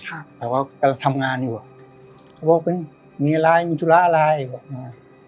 ครับแต่ว่ากำลังทำงานอยู่อ่ะเขาบอกเป็นมีอะไรมีธุระอะไรบอกมา